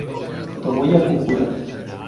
Tomoya Fukuda